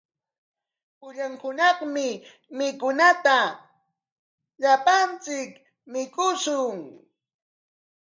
Pullan hunaqmi mikunata llapanchik mikushun.